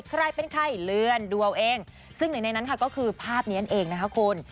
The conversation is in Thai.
ใครเป็นใครเหลือนดัวเองซึ่งในนั้นค่ะก็คือภาพนี้นั่นเองนะครับคุณ